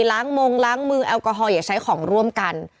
ล้างมงล้างมือแอลกอฮอลอย่าใช้ของร่วมกัน